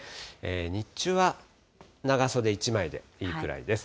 日中は長袖１枚でいいくらいです。